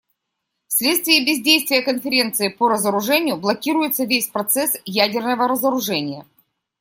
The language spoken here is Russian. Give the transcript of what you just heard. Вследствие бездействия Конференции по разоружению блокируется весь процесс ядерного разоружения.